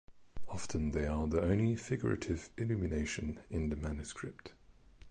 Often they are the only figurative illumination in the manuscript.